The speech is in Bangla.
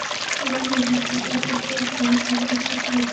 তোমার রোগীদের রিপোর্টেও সই করা উচিত না।